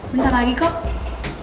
bentar lagi kok